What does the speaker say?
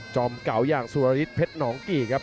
อมเก่าอย่างสุรฤทธิเพชรหนองกี่ครับ